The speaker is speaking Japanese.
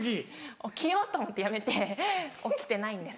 起きようと思ってやめて起きてないんです。